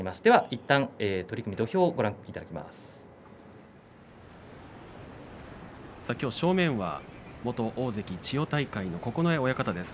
いったん取組きょうの正面は元大関千代大海の九重親方です。